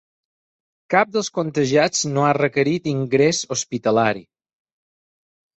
Cap dels contagiats no ha requerit ingrés hospitalari.